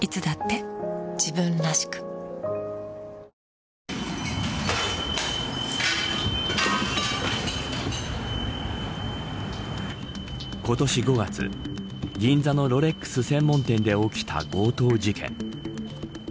そして逃走中今年５月銀座のロレックス専門店で起きた強盗事件。